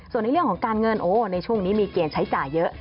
ส่วนในเรื่องของการเงินโอ้ในช่วงนี้มีเกณฑ์ใช้จ่ายเยอะ